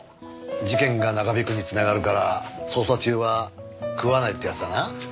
事件が長引くに繋がるから捜査中は食わないってやつだな？